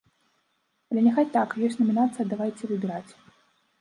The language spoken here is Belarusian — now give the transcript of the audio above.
Але няхай так, ёсць намінацыя давайце выбіраць.